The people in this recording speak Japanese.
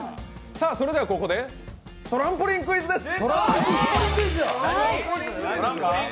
それではここでトランポリンクイズです。